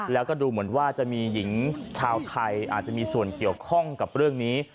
แล้วก็ดูเหมือนว่าจะมีหญิงชาวไทยอาจจะมีส่วนเกี่ยวข้องกับเรื่องนี้